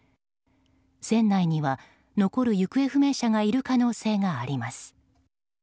船内には残る行方不明者がいる可能性があります。